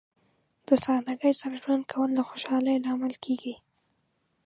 د سادګۍ سره ژوند کول د خوشحالۍ لامل کیږي.